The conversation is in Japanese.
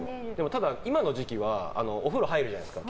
ただ今の時期はお風呂入るじゃないですか。